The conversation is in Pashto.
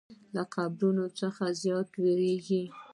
له قبرونو څخه زیات ویریږي.